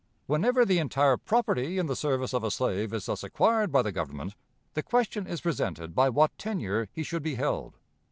Whenever the entire property in the service of a slave is thus acquired by the Government, the question is presented by what tenure he should be held.